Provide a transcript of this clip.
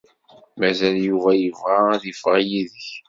Mazal Yuba yebɣa ad iffeɣ yid-k.